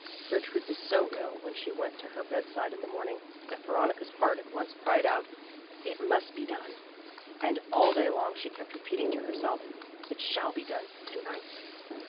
Gertrude was so ill when she went to her bed side in the morning, that Veronica's heart at once cried out, "It must be done!" and all day long she kept repeating to herself, "It shall be done to night."